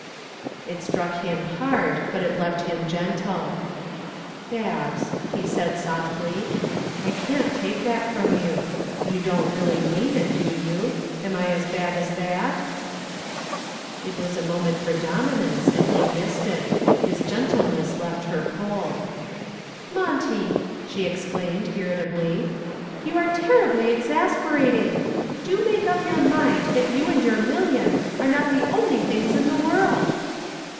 It struck him hard, but it left him gentle. "Babs," he said, softly, "I can't take that from you. You don't really mean it, do you? Am I as bad as that?" It was a moment for dominance, and he missed it. His gentleness left her cold. "Monty," she exclaimed irritably, "you are terribly exasperating. Do make up your mind that you and your million are not the only things in the world."